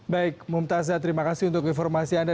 baik mumtazah terima kasih untuk informasi anda